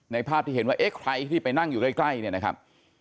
ภาพที่เห็นว่าเอ๊ะใครที่ไปนั่งอยู่ใกล้เนี่ยนะครับ